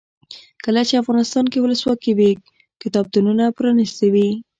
کله چې افغانستان کې ولسواکي وي کتابتونونه پرانیستي وي.